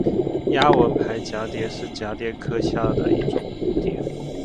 丫纹俳蛱蝶是蛱蝶科下的一种蝴蝶。